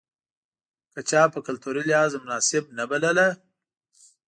که چا په کلتوري لحاظ مناسبه نه بلله.